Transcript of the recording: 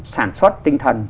sản xuất tinh thần